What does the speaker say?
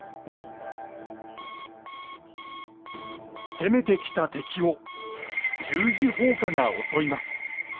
攻めてきた敵を十字砲火が襲います。